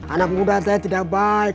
anak muda saya tidak baik